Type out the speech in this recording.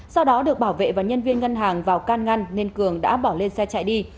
sau đó được bảo vệ và nhân viên ngân hàng vào can ngăn nên cường đã bỏ lên xe chạy đi